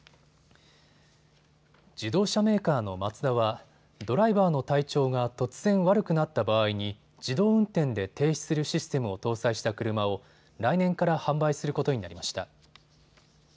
自動車メーカーのマツダはドライバーの体調が突然悪くなった場合に自動運転で停止するシステムを搭載した車を来年から販売することになりました。